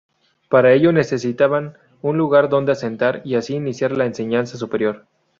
Para ello necesitaban un lugar donde asentarse y así iniciar la enseñanza superior.